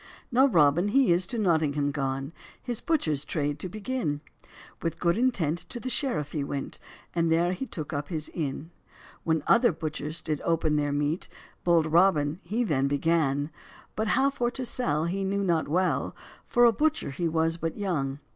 Now Robin he is to Nottingham gone, His butchers trade to begin; With good intent to the sheriff he went, And there he took up his inn. When other butchers did open their meat, Bold Robin he then begun; But how for to sell he knew not well, For a butcher he was but young.